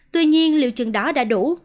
tuy nhiên liệu trường đó đã đủ